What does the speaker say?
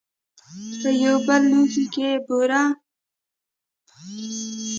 په یو بل لوښي کې بوره او اوبه وخوټوئ د پخولو لپاره.